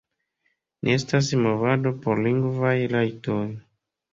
Ni estas movado por lingvaj rajtoj.